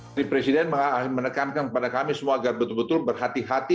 presiden menekankan kepada kami semua agar betul betul berhati hati